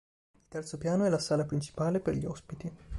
Il terzo piano è la sala principale per gli ospiti.